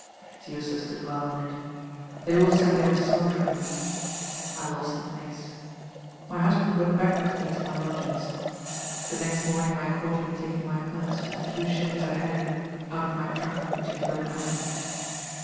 It's useless to dwell on it. They all said they were sorry for me. I lost the place. My husband went back with me to my lodgings. The next morning I caught him taking my purse, with the few shillings I had in it, out of my trunk, which he had broken open.